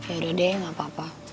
yaudah deh gapapa